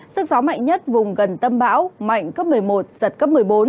sức gió mạnh nhất vùng gần tâm bão mạnh cấp một mươi một giật cấp một mươi bốn